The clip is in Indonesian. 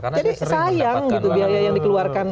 sayang gitu biaya yang dikeluarkan